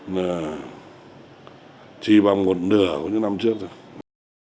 là chỉ bằng một nửa của những năm trước thôi